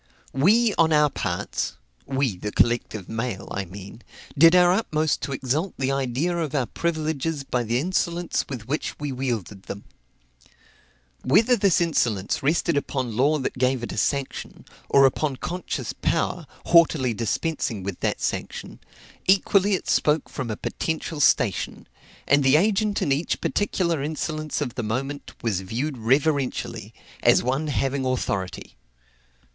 We, on our parts, (we, the collective mail, I mean,) did our utmost to exalt the idea of our privileges by the insolence with which we wielded them. Whether this insolence rested upon law that gave it a sanction, or upon conscious power, haughtily dispensing with that sanction, equally it spoke from a potential station; and the agent in each particular insolence of the moment, was viewed reverentially, as one having authority.